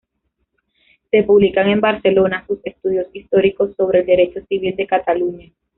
Se publican en Barcelona sus "Estudios históricos sobre el Derecho Civil de Cataluña".